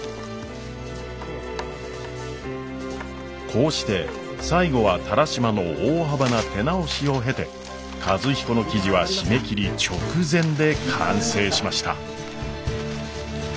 こうして最後は田良島の大幅な手直しを経て和彦の記事は締め切り直前で完成しました。